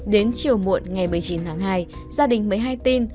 đến chiều muộn ngày một mươi chín tháng hai gia đình mới hay tin